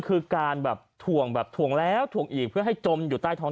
คือการแบบถ่วงแบบถ่วงแล้วถ่วงอีกเพื่อให้จมอยู่ใต้ท้อง